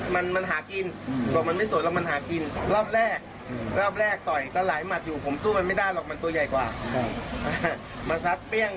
มาสัดเปรี้ยงเนี่ยสองเปรี้ยงแรกนี่สิ่งขั้นแตกเลย